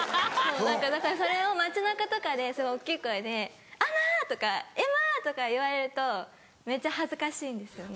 だから街中とかでそれを大っきい声で「アナ！」とか「エマ！」とか言われるとめっちゃ恥ずかしいんですよね。